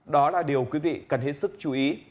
đó là điều quý vị cần hết sức chú ý